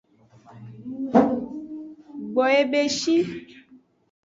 Gboyebeshi.